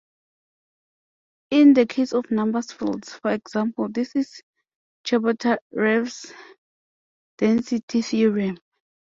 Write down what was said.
In the case of number fields, for example, this is Chebotarev's density theorem.